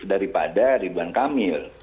daripada ridwan kamil